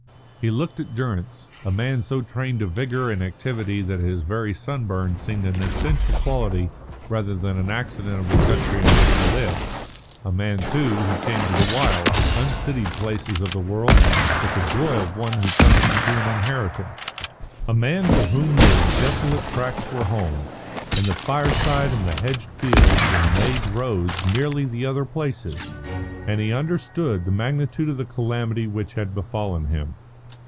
He looked at Durrance a man so trained to vigour and activity that his very sunburn seemed an essential quality rather than an accident of the country in which he lived; a man, too, who came to the wild, uncitied places of the world with the joy of one who comes into an inheritance; a man to whom these desolate tracts were home, and the fireside and the hedged fields and made roads merely the other places; and he understood the magnitude of the calamity which had befallen him.